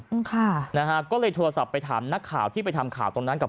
อืมค่ะนะฮะก็เลยโทรศัพท์ไปถามนักข่าวที่ไปทำข่าวตรงนั้นกับ